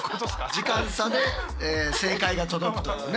時間差で正解が届くというね。